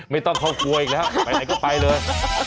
ไม่ต้องเข้าครัวอีกแล้วไปไหนก็ไปเลย